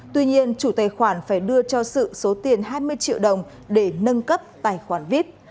tuy nhiên chủ tài khoản phải đưa cho sự số tiền hai mươi triệu đồng để nâng cấp tài khoản vip